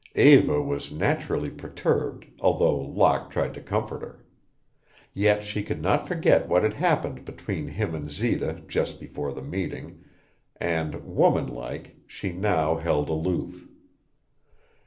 Eva was naturally perturbed, although Locke tried to comfort her. Yet she could not forget what had happened between him and Zita just before the meeting, and, woman like, she now held aloof.